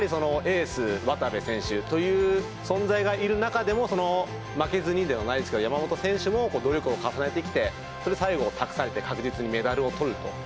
エース渡部選手という存在がいる中でも負けずにではないですが山本選手も努力を重ねてきて最後託されて確実にメダルをとると。